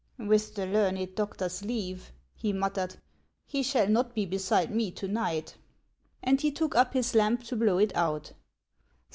" With the learned doctor's leave," he muttered, " he shall not be beside rue to night." And he took up his lamp to blow it out.